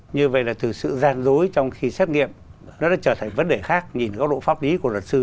như vậy là từ sự gian dối trong khi xét nghiệm nó đã trở thành vấn đề khác nhìn góc độ pháp lý của luật sư